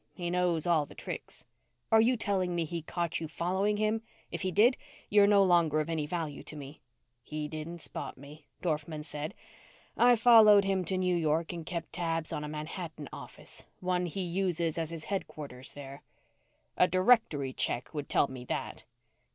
He knows all the tricks." "Are you telling me he caught you following him? If he did, you're no longer of any value to me." "He didn't spot me," Dorfman said. "I followed him to New York and kept tabs on a Manhattan office, one he uses as his headquarters there." "A directory check would tell me that."